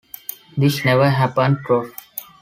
This never happened though.